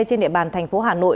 trên địa bàn thành phố hà nội